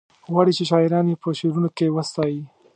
غواړي چې شاعران یې په شعرونو کې وستايي.